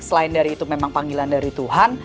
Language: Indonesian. selain dari itu memang panggilan dari tuhan